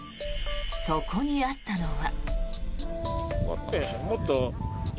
そこにあったのは。